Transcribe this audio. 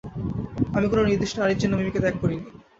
আমি কোনো নির্দিষ্ট নারীর জন্য মিমিকে ত্যাগ করিনি।